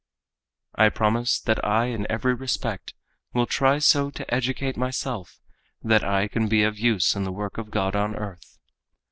"I promise that I in every respect will try so to educate myself that I can be of use in the work of God on earth.